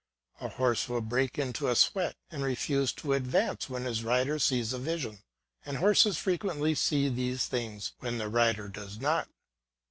A horse will break into a sweat, and refuse to advance, when his rider sees a vision ; and horses frequently see these things when the rider does not.